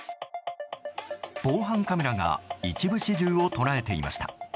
防犯カメラが一部始終を捉えていました。